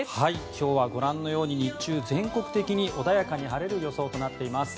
今日はご覧のように日中、全国的に穏やかに晴れる予想となっています。